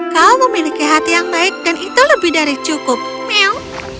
kau memiliki hati yang baik dan itu lebih dari cukup mil